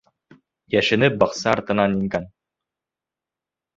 Йәшенеп баҡса артынан ингән.